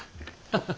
ハハハハ。